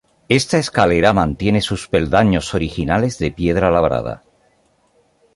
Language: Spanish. Esta escalera mantiene sus peldaños originales de piedra labrada.